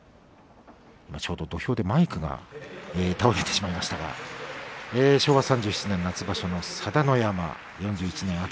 ちょうど土俵でマイクが倒れてしまいましたが昭和３７年夏場所の佐田の山４１年